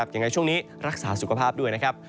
ยังไงช่วงนี้รักษาสุขภาพด้วยนะครับ